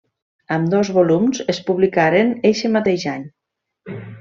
Ambdós volums es publicaren eixe mateix any.